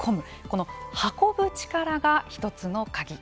この運ぶ力が、１つの鍵。